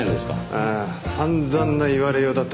ああ散々な言われようだった。